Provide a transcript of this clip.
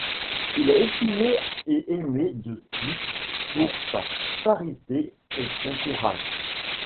Il est estimé et aimé de tous pour sa charité et son courage.